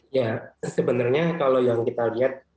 ya sebenarnya kalau yang kita lihat